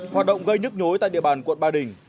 hoạt động gây nhức nhối tại địa bàn quận ba đình